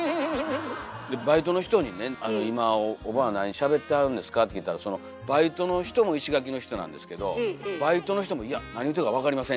でバイトの人にね「今おばぁ何しゃべってはるんですか？」って聞いたらそのバイトの人も石垣の人なんですけどバイトの人も「いや何言ってるか分かりません」